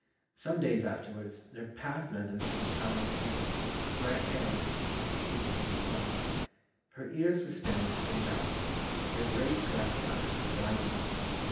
Some days afterwards, their path led them through a fallow field where a hare was sitting sleeping in the sun. Her ears were standing straight up, and her great glassy eyes were wide open.